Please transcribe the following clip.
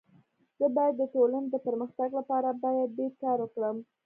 زه بايد د ټولني د پرمختګ لپاره باید ډير کار وکړم.